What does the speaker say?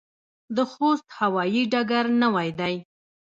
د خوست هوايي ډګر نوی دی